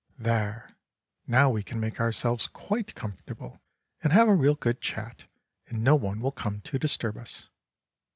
"There; now we can make ourselves quite comfortable and have a real good chat, and no one will come to disturb us.